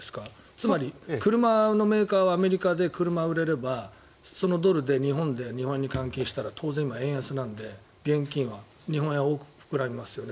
つまり車のメーカーはアメリカで車が売れればそのドルで日本で日本円に換金したら当然、今、円安なので現金は日本円が大きく膨らみますよね。